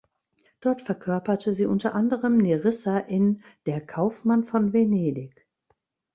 Dort verkörperte sie unter anderem Nerissa in "Der Kaufmann von Venedig".